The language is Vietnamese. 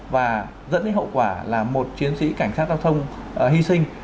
và dẫn đến hậu quả là một chiến sĩ cảnh sát giao thông hy sinh